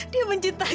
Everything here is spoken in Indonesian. dia mencintai saya